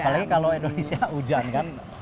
apalagi kalau indonesia hujan kan